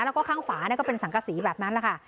แล้วก็ข้างฝาก็สังกษีแบบนั้นแหละค่ะ